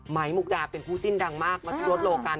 ไมค์มุกดาเป็นผู้จิ้นดังมากมาทดโลกัน